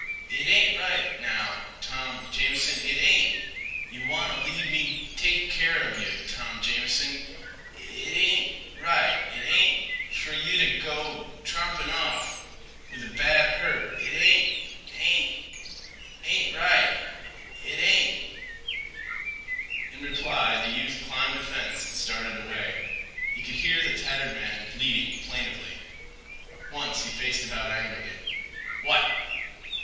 It ain't right—now—Tom Jamison—it ain't. Yeh wanta leave me take keer of yeh, Tom Jamison. It ain't—right—it ain't—fer yeh t' go—trompin' off—with a bad hurt—it ain't—ain't—ain't right—it ain't." In reply the youth climbed a fence and started away. He could hear the tattered man bleating plaintively. Once he faced about angrily. "What?"